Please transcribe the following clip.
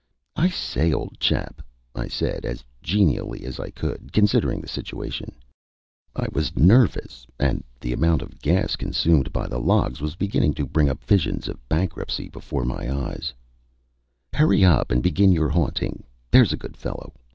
"I say, old chap," I said, as genially as I could, considering the situation I was nervous, and the amount of gas consumed by the logs was beginning to bring up visions of bankruptcy before my eyes "hurry up and begin your haunting there's a good fellow.